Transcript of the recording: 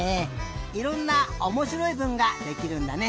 いろんなおもしろいぶんができるんだね。